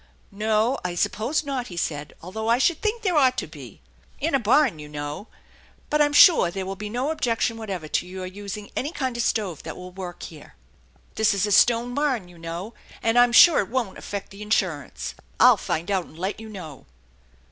" No, I suppose not," he said, " although I should think there ought to be. In a barn, you know. But I'm sure there will be no objection whatever to your using any kind of a stove that will work here. This is a stone barn, you know, and I'm THE ENCHANTED BARN 7S sure it won't affect the insurance. I'll find out and let you know."